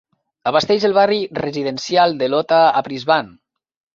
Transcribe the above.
Abasteix el barri residencial de Lota a Brisbane.